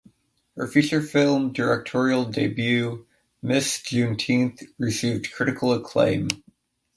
Her feature film directorial debut "Miss Juneteenth" received critical acclaim.